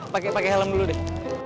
pakai pakai helm dulu deh